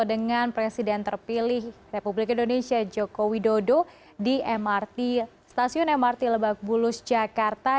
dengan presiden terpilih republik indonesia joko widodo di mrt stasiun mrt lebak bulus jakarta